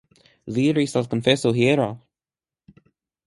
Li iris al konfeso hieraŭ.